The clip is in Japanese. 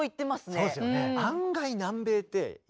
そうですよね。